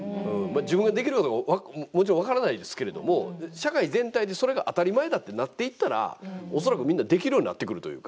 自分ができるのかもちろん分からないですけれども社会全体でそれが当たり前だってなっていったら恐らくみんなできるようになってくるというか。